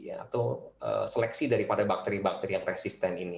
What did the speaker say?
atau seleksi daripada bakteri bakteri yang resisten ini